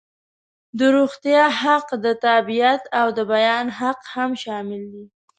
د روغتیا حق، د تابعیت او بیان حق هم شامل دي.